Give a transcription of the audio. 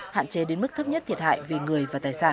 hạn chế đến mức thấp nhất thiệt hại về người và tài sản